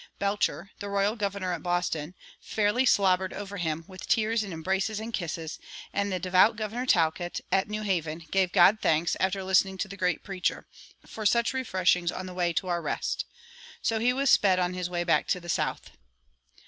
Belcher, the royal governor at Boston, fairly slobbered over him, with tears and embraces and kisses; and the devout Governor Talcott, at New Haven, gave God thanks, after listening to the great preacher, "for such refreshings on the way to our rest." So he was sped on his way back to the South.